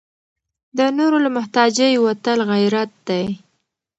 د نورو له محتاجۍ وتل غیرت دی.